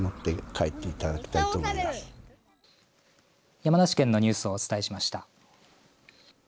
山梨県のニュースをお伝えしました。